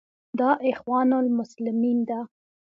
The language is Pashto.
دا اخوان المسلمین ده.